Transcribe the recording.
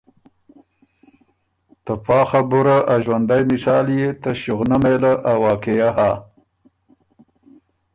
ته پا خبُره ا ݫوندئ مثال يې ته ݭُغنۀ مېله ا واقعه هۀ